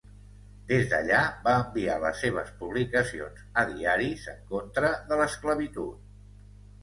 Des d'allà, va enviar les seves publicacions a diaris en contra de l'esclavitud.